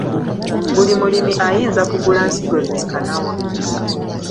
Buli mulimi ayinza kugula nsigo zenkana wa?